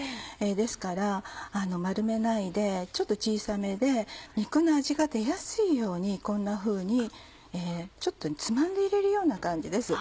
ですから丸めないでちょっと小さめで肉の味が出やすいようにこんなふうにちょっとつまんで入れるような感じです。